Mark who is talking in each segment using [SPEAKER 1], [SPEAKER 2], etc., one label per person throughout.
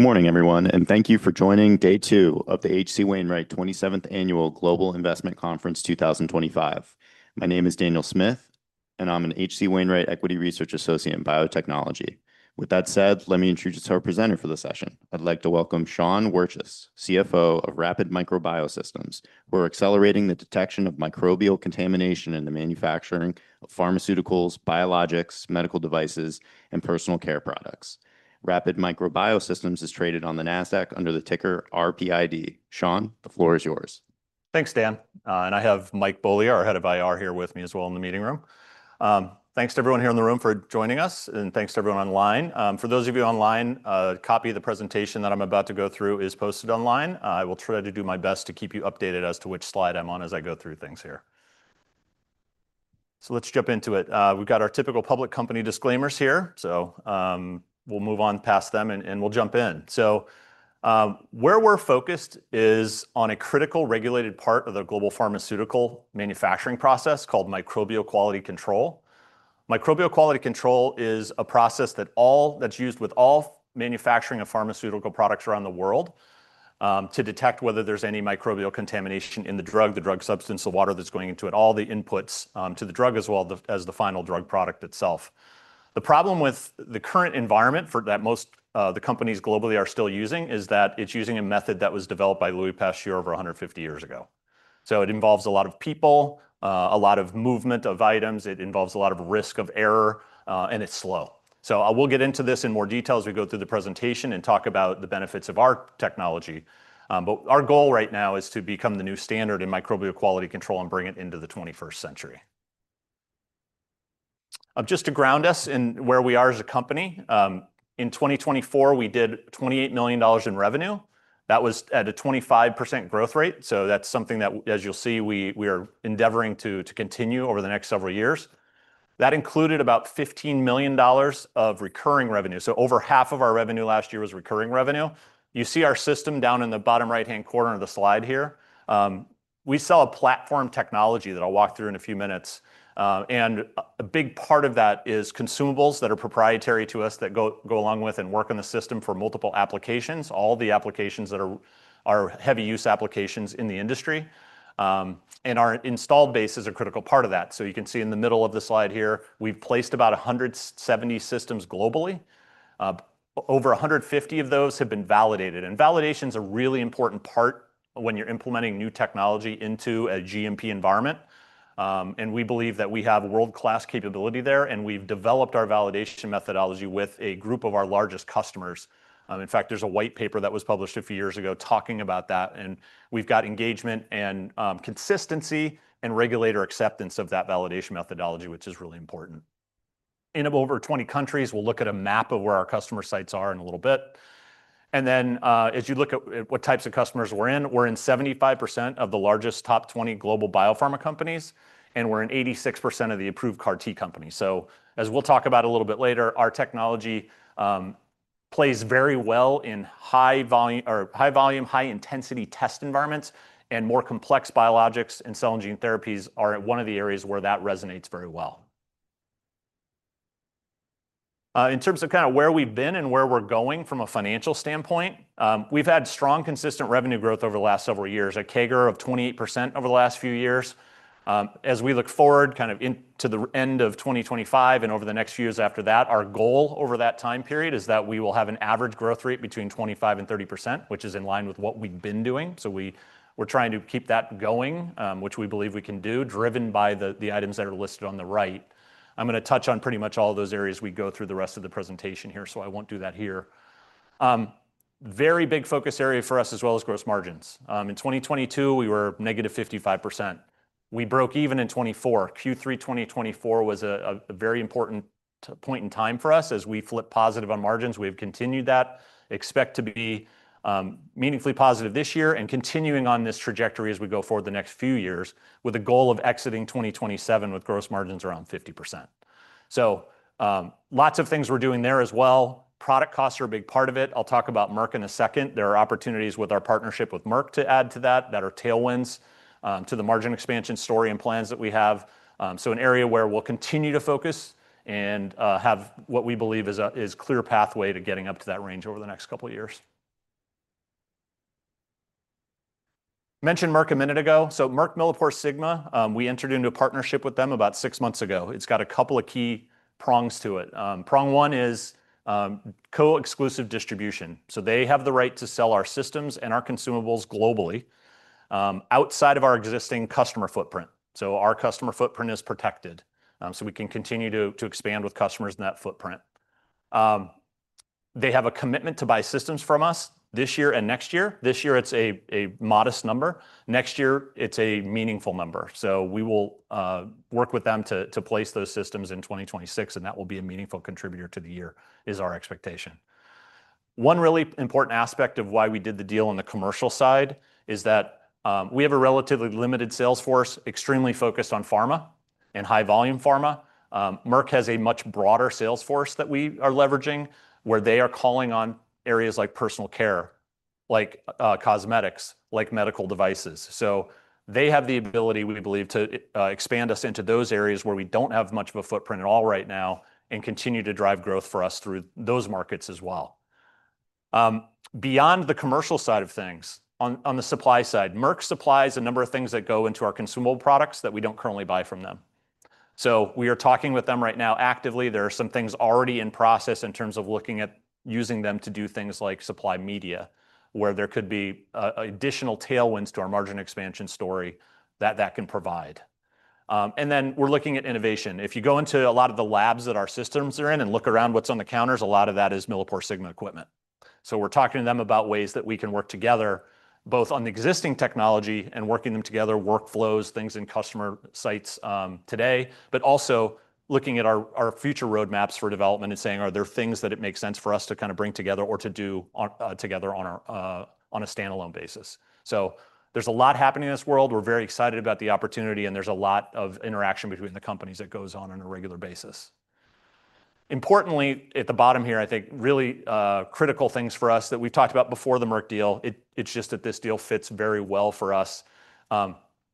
[SPEAKER 1] Good morning, everyone, and thank you for joining Day 2 of the H.C. Wainwright 27th Annual Global Investment Conference 2025. My name is Daniel Smith, and I'm an H.C. Wainwright Equity Research Associate in Biotechnology. With that said, let me introduce our presenter for the session. I'd like to welcome Sean Wirtjes, CFO of Rapid Micro Biosystems. We're accelerating the detection of microbial contamination in the manufacturing of pharmaceuticals, biologics, medical devices, and personal care products. Rapid Micro Biosystems is traded on the Nasdaq under the ticker RPID. Sean, the floor is yours.
[SPEAKER 2] Thanks, Dan. And I have Mike Beaulieu, our head of IR, here with me as well in the meeting room. Thanks to everyone here in the room for joining us, and thanks to everyone online. For those of you online, a copy of the presentation that I'm about to go through is posted online. I will try to do my best to keep you updated as to which Slide I'm on as I go through things here. So let's jump into it. We've got our typical public company disclaimers here, so we'll move on past them and we'll jump in. So where we're focused is on a critical regulated part of the global pharmaceutical manufacturing process called microbial quality control. Microbial quality control is a process that's used with all manufacturing of pharmaceutical products around the world to detect whether there's any microbial contamination in the drug, the drug substance, the water that's going into it, all the inputs to the drug as well as the final drug product itself. The problem with the current environment that most of the companies globally are still using is that it's using a method that was developed by Louis Pasteur over 150 years ago. So it involves a lot of people, a lot of movement of items. It involves a lot of risk of error, and it's slow. So we'll get into this in more detail as we go through the presentation and talk about the benefits of our technology. But our goal right now is to become the new standard in microbial quality control and bring it into the 21st century. Just to ground us in where we are as a company, in 2024, we did $28 million in revenue. That was at a 25% growth rate, so that's something that, as you'll see, we are endeavoring to continue over the next several years. That included about $15 million of recurring revenue, so over half of our revenue last year was recurring revenue. You see our system down in the bottom right-hand corner of the Slide here. We sell a platform technology that I'll walk through in a few minutes, and a big part of that is consumables that are proprietary to us that go along with and work on the system for multiple applications, all the applications that are heavy use applications in the industry, and our installed base is a critical part of that. You can see in the middle of the Slide here, we've placed about 170 systems globally. Over 150 of those have been validated. Validation is a really important part when you're implementing new technology into a GMP environment. We believe that we have world-class capability there, and we've developed our validation methodology with a group of our largest customers. In fact, there's a white paper that was published a few years ago talking about that. We've got engagement and consistency and regulator acceptance of that validation methodology, which is really important. In over 20 countries, we'll look at a map of where our customer sites are in a little bit. Then as you look at what types of customers we're in, we're in 75% of the largest top 20 global biopharma companies, and we're in 86% of the approved CAR-T companies. So as we'll talk about a little bit later, our technology plays very well in high-volume, high-intensity test environments, and more complex biologics and cell and gene therapies are one of the areas where that resonates very well. In terms of kind of where we've been and where we're going from a financial standpoint, we've had strong, consistent revenue growth over the last several years, a CAGR of 28% over the last few years. As we look forward kind of into the end of 2025 and over the next few years after that, our goal over that time period is that we will have an average growth rate between 25% and 30%, which is in line with what we've been doing. So we're trying to keep that going, which we believe we can do, driven by the items that are listed on the right. I'm going to touch on pretty much all those areas we go through the rest of the presentation here, so I won't do that here. Very big focus area for us as well as gross margins. In 2022, we were negative 55%. We broke even in 2024. Q3 2024 was a very important point in time for us. As we flip positive on margins, we have continued that, expect to be meaningfully positive this year and continuing on this trajectory as we go forward the next few years with a goal of exiting 2027 with gross margins around 50%. So lots of things we're doing there as well. Product costs are a big part of it. I'll talk about Merck in a second. There are opportunities with our partnership with Merck to add to that that are tailwinds to the margin expansion story and plans that we have. So an area where we'll continue to focus and have what we believe is a clear pathway to getting up to that range over the next couple of years. Mentioned Merck a minute ago. So Merck, MilliporeSigma, we entered into a partnership with them about six months ago. It's got a couple of key prongs to it. Prong one is co-exclusive distribution. So they have the right to sell our systems and our consumables globally outside of our existing customer footprint. So our customer footprint is protected. So we can continue to expand with customers in that footprint. They have a commitment to buy systems from us this year and next year. This year, it's a modest number. Next year, it's a meaningful number. So we will work with them to place those systems in 2026, and that will be a meaningful contributor to the year, is our expectation. One really important aspect of why we did the deal on the commercial side is that we have a relatively limited sales force, extremely focused on pharma and high-volume pharma. Merck has a much broader sales force that we are leveraging where they are calling on areas like personal care, like cosmetics, like medical devices. So they have the ability, we believe, to expand us into those areas where we don't have much of a footprint at all right now and continue to drive growth for us through those markets as well. Beyond the commercial side of things, on the supply side, Merck supplies a number of things that go into our consumable products that we don't currently buy from them. So we are talking with them right now actively. There are some things already in process in terms of looking at using them to do things like supply media, where there could be additional tailwinds to our margin expansion story that can provide. And then we're looking at innovation. If you go into a lot of the labs that our systems are in and look around what's on the counters, a lot of that is MilliporeSigma equipment. So we're talking to them about ways that we can work together both on the existing technology and working them together, workflows, things in customer sites today, but also looking at our future roadmaps for development and saying, are there things that it makes sense for us to kind of bring together or to do together on a standalone basis? So there's a lot happening in this world. We're very excited about the opportunity, and there's a lot of interaction between the companies that goes on on a regular basis. Importantly, at the bottom here, I think really critical things for us that we've talked about before the Merck deal, it's just that this deal fits very well for us.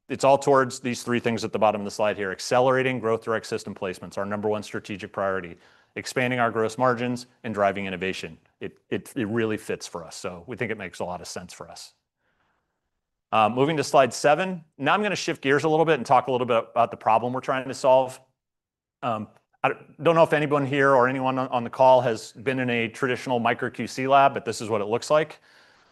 [SPEAKER 2] It's all towards these three things at the bottom of the Slide here: accelerating Growth Direct system placements, our number one strategic priority, expanding our gross margins, and driving innovation. It really fits for us. So we think it makes a lot of sense for us. Moving to Slide seven. Now I'm going to shift gears a little bit and talk a little bit about the problem we're trying to solve. I don't know if anyone here or anyone on the call has been in a traditional micro QC lab, but this is what it looks like.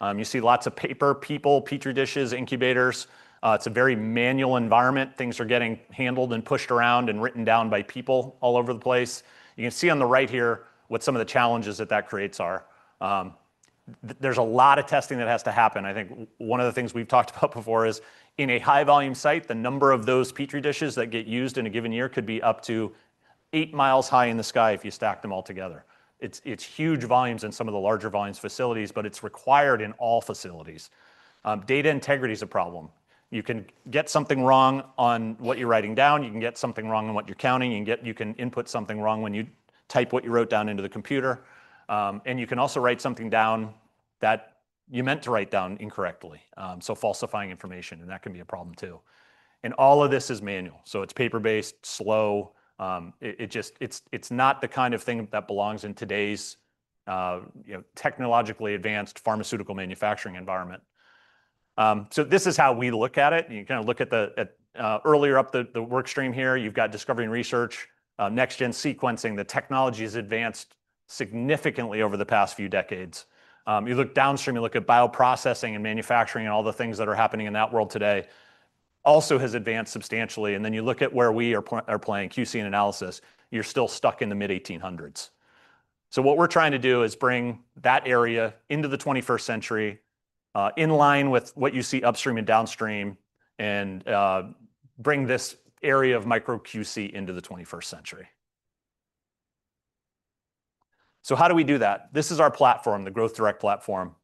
[SPEAKER 2] You see lots of paper, people, Petri dishes, incubators. It's a very manual environment. Things are getting handled and pushed around and written down by people all over the place. You can see on the right here what some of the challenges that that creates are. There's a lot of testing that has to happen. I think one of the things we've talked about before is in a high-volume site, the number of those Petri dishes that get used in a given year could be up to eight miles high in the sky if you stack them all together. It's huge volumes in some of the larger volumes facilities, but it's required in all facilities. Data integrity is a problem. You can get something wrong on what you're writing down. You can get something wrong on what you're counting. You can input something wrong when you type what you wrote down into the computer. And you can also write something down that you meant to write down incorrectly. So falsifying information, and that can be a problem too. And all of this is manual. So it's paper-based, slow. It's not the kind of thing that belongs in today's technologically advanced pharmaceutical manufacturing environment. So this is how we look at it. You kind of look at the earlier up the workstream here. You've got discovery and research, next-gen sequencing. The technology has advanced significantly over the past few decades. You look downstream. You look at bioprocessing and manufacturing and all the things that are happening in that world today also has advanced substantially. And then you look at where we are playing QC and analysis. You're still stuck in the mid-1800s. So what we're trying to do is bring that area into the 21st century in line with what you see upstream and downstream and bring this area of micro QC into the 21st century. So how do we do that? This is our platform, the Growth Direct platform.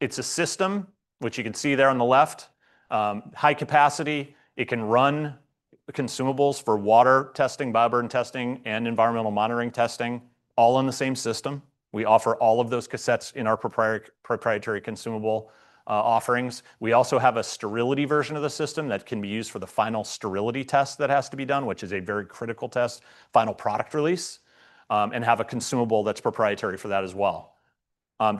[SPEAKER 2] It's a system, which you can see there on the left, high capacity. It can run consumables for water testing, bioburden testing, and environmental monitoring testing, all in the same system. We offer all of those cassettes in our proprietary consumable offerings. We also have a sterility version of the system that can be used for the final sterility test that has to be done, which is a very critical test, final product release, and have a consumable that's proprietary for that as well.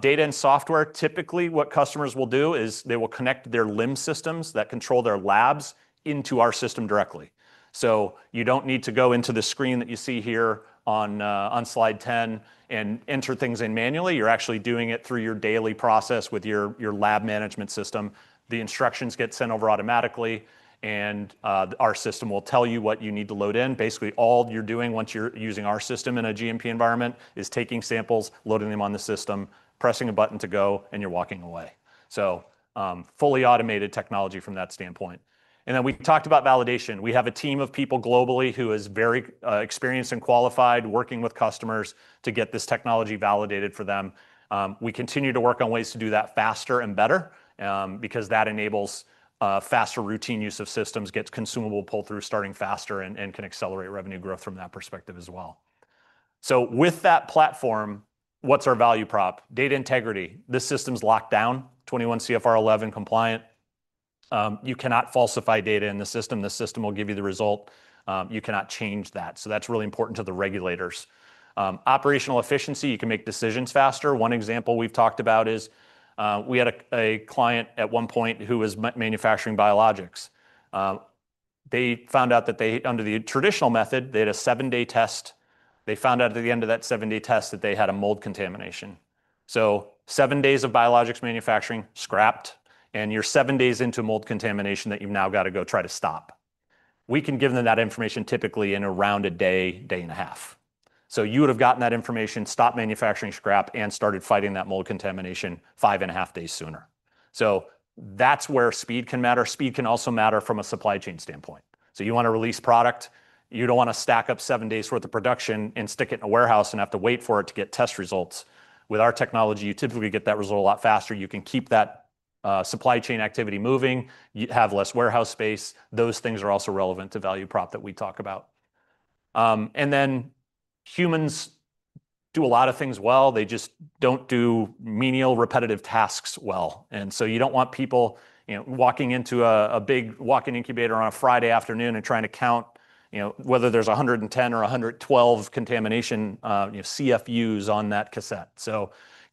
[SPEAKER 2] Data and software, typically what customers will do is they will connect their LIMS that control their labs into our system directly. So you don't need to go into the screen that you see here on Slide 10 and enter things in manually. You're actually doing it through your daily process with your lab management system. The instructions get sent over automatically, and our system will tell you what you need to load in. Basically, all you're doing once you're using our system in a GMP environment is taking samples, loading them on the system, pressing a button to go, and you're walking away. So fully automated technology from that standpoint. And then we talked about validation. We have a team of people globally who is very experienced and qualified working with customers to get this technology validated for them. We continue to work on ways to do that faster and better because that enables faster routine use of systems, gets consumable pull-through starting faster, and can accelerate revenue growth from that perspective as well. So with that platform, what's our value prop? Data integrity. This system's locked down, 21 CFR 11 compliant. You cannot falsify data in the system. The system will give you the result. You cannot change that. So that's really important to the regulators. Operational efficiency, you can make decisions faster. One example we've talked about is we had a client at one point who was manufacturing biologics. They found out that under the traditional method, they had a seven-day test. They found out at the end of that seven-day test that they had a mold contamination. So, seven days of biologics manufacturing scrapped, and you're seven days into mold contamination that you've now got to go try to stop. We can give them that information typically in around a day, day and a half. So you would have gotten that information, stopped manufacturing scrap, and started fighting that mold contamination five and a half days sooner. So that's where speed can matter. Speed can also matter from a supply chain standpoint. So you want to release product. You don't want to stack up seven days' worth of production and stick it in a warehouse and have to wait for it to get test results. With our technology, you typically get that result a lot faster. You can keep that supply chain activity moving. You have less warehouse space. Those things are also relevant to value prop that we talk about. Humans do a lot of things well. They just don't do menial repetitive tasks well. You don't want people walking into a big walk-in incubator on a Friday afternoon and trying to count whether there's 110 or 112 contamination CFUs on that cassette.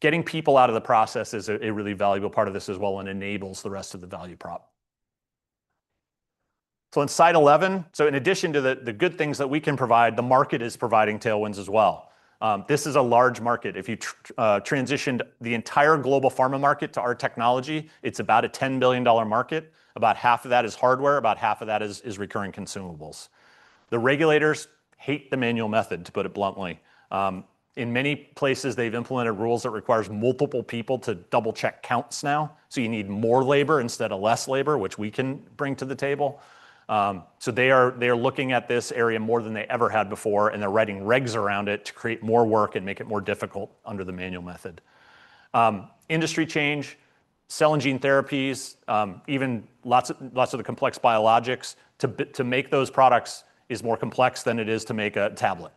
[SPEAKER 2] Getting people out of the process is a really valuable part of this as well and enables the rest of the value prop. In Slide 11, so in addition to the good things that we can provide, the market is providing tailwinds as well. This is a large market. If you transitioned the entire global pharma market to our technology, it's about a $10 billion market. About half of that is hardware. About half of that is recurring consumables. The regulators hate the manual method, to put it bluntly. In many places, they've implemented rules that require multiple people to double-check counts now, so you need more labor instead of less labor, which we can bring to the table, so they are looking at this area more than they ever had before, and they're writing regs around it to create more work and make it more difficult under the manual method. Industry change, cell and gene therapies, even lots of the complex biologics to make those products is more complex than it is to make a tablet,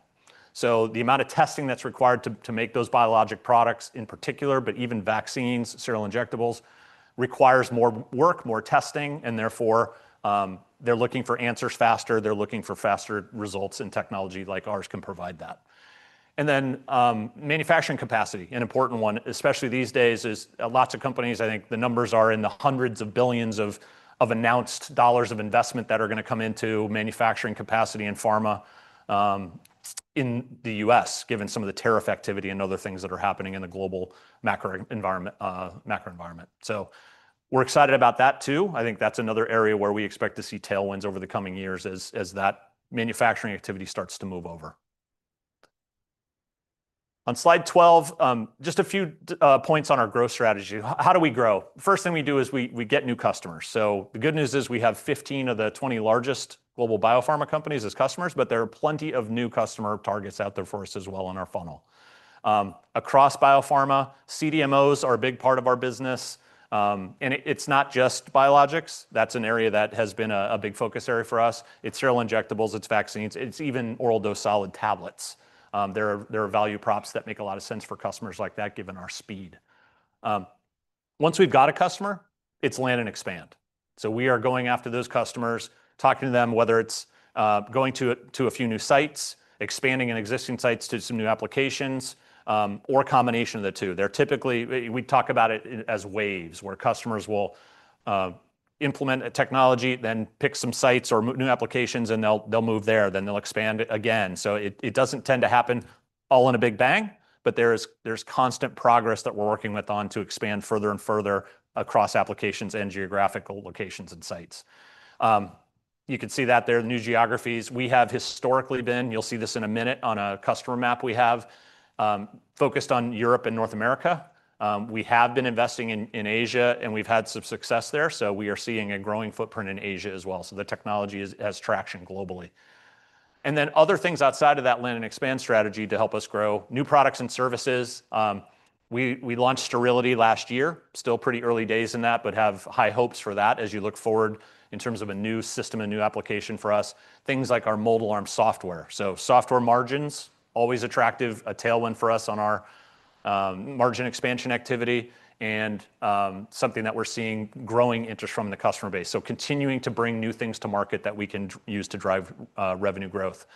[SPEAKER 2] so the amount of testing that's required to make those biologic products in particular, but even vaccines, sterile injectables, requires more work, more testing, and therefore they're looking for answers faster. They're looking for faster results and technology like ours can provide that, and then manufacturing capacity, an important one, especially these days, is lots of companies. I think the numbers are in the hundreds of billions of announced dollars of investment that are going to come into manufacturing capacity and pharma in the U.S., given some of the tariff activity and other things that are happening in the global macro environment. So we're excited about that too. I think that's another area where we expect to see tailwinds over the coming years as that manufacturing activity starts to move over. On Slide 12, just a few points on our growth strategy. How do we grow? The first thing we do is we get new customers. So the good news is we have 15 of the 20 largest global biopharma companies as customers, but there are plenty of new customer targets out there for us as well in our funnel. Across biopharma, CDMOs are a big part of our business. And it's not just biologics. That's an area that has been a big focus area for us. It's sterile injectables. It's vaccines. It's even oral dose solid tablets. There are value props that make a lot of sense for customers like that, given our speed. Once we've got a customer, it's land and expand. So we are going after those customers, talking to them, whether it's going to a few new sites, expanding existing sites to some new applications, or a combination of the two. We talk about it as waves where customers will implement a technology, then pick some sites or new applications, and they'll move there. Then they'll expand again. So it doesn't tend to happen all in a big bang, but there's constant progress that we're working with on to expand further and further across applications and geographical locations and sites. You can see that there, new geographies. We have historically been focused on Europe and North America. You'll see this in a minute on a customer map. We have been investing in Asia, and we've had some success there. We are seeing a growing footprint in Asia as well. The technology has traction globally. Then other things outside of that land and expand strategy help us grow new products and services. We launched sterility last year. Still pretty early days in that, but have high hopes for that as you look forward in terms of a new system and new application for us, things like our Mold Alarm software. Software margins, always attractive, a tailwind for us on our margin expansion activity, and something that we're seeing growing interest from the customer base. Continuing to bring new things to market that we can use to drive revenue growth.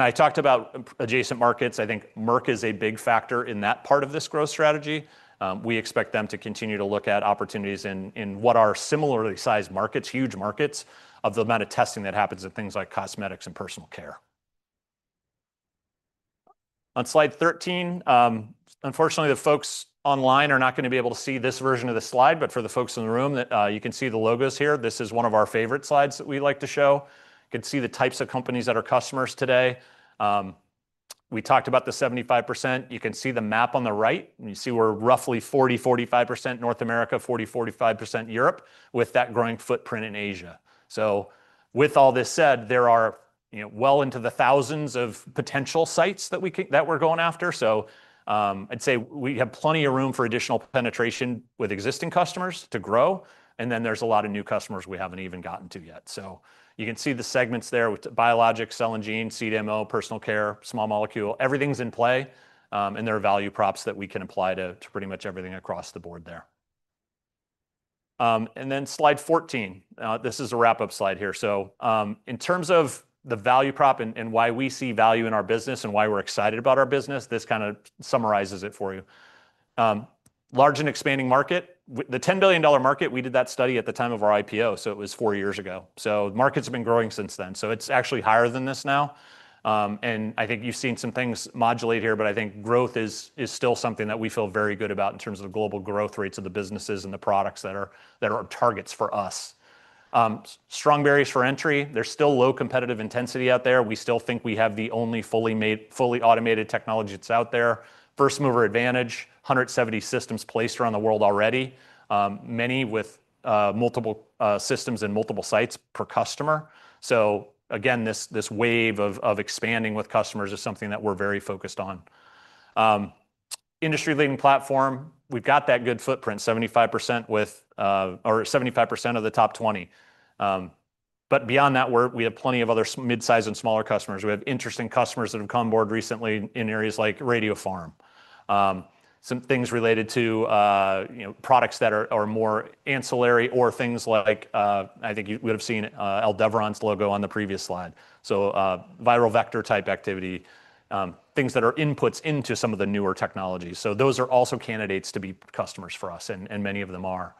[SPEAKER 2] I talked about adjacent markets. I think Merck is a big factor in that part of this growth strategy. We expect them to continue to look at opportunities in what are similarly sized markets, huge markets, of the amount of testing that happens in things like cosmetics and personal care. On Slide 13, unfortunately, the folks online are not going to be able to see this version of the Slide, but for the folks in the room, you can see the logos here. This is one of our favorite Slides that we like to show. You can see the types of companies that are customers today. We talked about the 75%. You can see the map on the right. You see we're roughly 40%-45% North America, 40%-45% Europe, with that growing footprint in Asia. So with all this said, there are well into the thousands of potential sites that we're going after. So I'd say we have plenty of room for additional penetration with existing customers to grow. And then there's a lot of new customers we haven't even gotten to yet. So you can see the segments there with biologics, cell and gene, CDMO, personal care, small molecule. Everything's in play. And there are value props that we can apply to pretty much everything across the board there. And then Slide 14, this is a wrap-up Slide here. So in terms of the value prop and why we see value in our business and why we're excited about our business, this kind of summarizes it for you. Large and expanding market, the $10 billion market, we did that study at the time of our IPO, so it was four years ago. So the markets have been growing since then. So it's actually higher than this now. And I think you've seen some things modulate here, but I think growth is still something that we feel very good about in terms of the global growth rates of the businesses and the products that are targets for us. Strong barriers for entry. There's still low competitive intensity out there. We still think we have the only fully automated technology that's out there. First mover advantage, 170 systems placed around the world already, many with multiple systems and multiple sites per customer. So again, this wave of expanding with customers is something that we're very focused on. Industry-leading platform. We've got that good footprint, 75% of the top 20. But beyond that, we have plenty of other mid-size and smaller customers. We have interesting customers that have come on board recently in areas like radiopharmaceuticals. Some things related to products that are more ancillary or things like, I think you would have seen Aldevron's logo on the previous Slide. So viral vector type activity, things that are inputs into some of the newer technologies. So those are also candidates to be customers for us, and many of them are.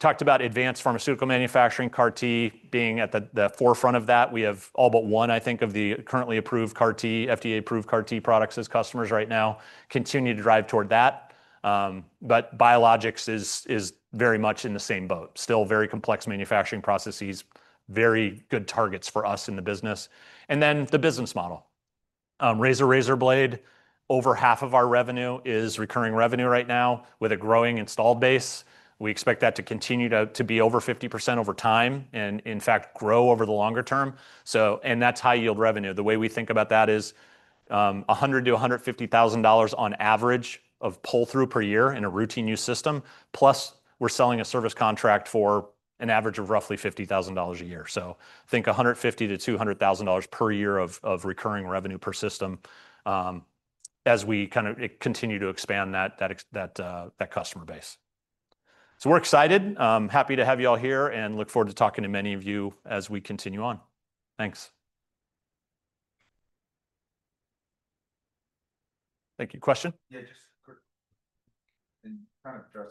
[SPEAKER 2] Talked about advanced pharmaceutical manufacturing, CAR-T being at the forefront of that. We have all but one, I think, of the currently approved CAR-T, FDA-approved CAR-T products as customers right now. Continue to drive toward that. But biologics is very much in the same boat. Still very complex manufacturing processes, very good targets for us in the business. And then the business model. Razor-blade, over half of our revenue is recurring revenue right now with a growing installed base. We expect that to continue to be over 50% over time and, in fact, grow over the longer term. And that's high-yield revenue. The way we think about that is $100,000-$150,000 on average of pull-through per year in a routine use system. Plus, we're selling a service contract for an average of roughly $50,000 a year. So think $150,000-$200,000 per year of recurring revenue per system as we kind of continue to expand that customer base. So we're excited, happy to have you all here, and look forward to talking to many of you as we continue on. Thanks.
[SPEAKER 1] Thank you. Question? Yeah, just quick. And kind of.